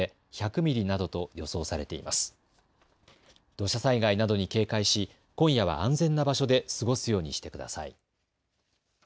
土砂災害などに警戒し今夜は安全な場所で過ごすようにしてください。